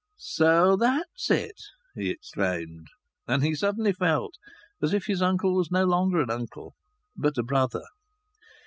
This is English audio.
"So that's it?" he exclaimed. And he suddenly felt as if his uncle was no longer an uncle but a brother.